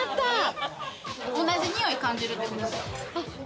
同じ匂いを感じるってことですか？